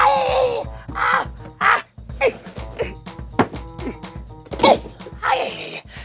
aduh aduh aduh